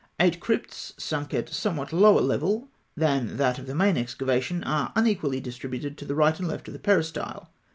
Eight crypts, sunk at a somewhat lower level than that of the main excavation, are unequally distributed to right and left of the peristyle.